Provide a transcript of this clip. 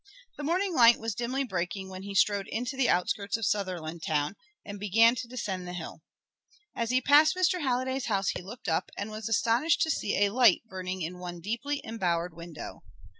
The morning light was dimly breaking when he strode into the outskirts of Sutherlandtown and began to descend the hill. As he passed Mr. Halliday's house he looked up, and was astonished to see a light burning in one deeply embowered window.